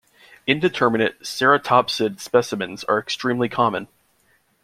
Indeterminate ceratopsid specimens are extremely common.